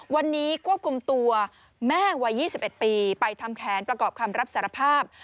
วันนี้ควบคุมตัวแม่วัย๒๑ปีไปทำแผนประกอบคำรับสารภาพ